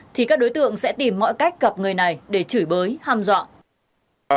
thì các đối tượng sẽ tìm mọi cách gặp người này để chửi bới hàm dọa